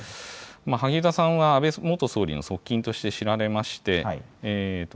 萩生田さんは、安倍元総理の側近として知られまして。